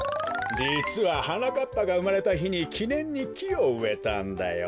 じつははなかっぱがうまれたひにきねんにきをうえたんだよ。